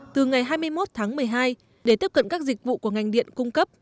từ ngày hai mươi một tháng một mươi hai để tiếp cận các dịch vụ của ngành điện cung cấp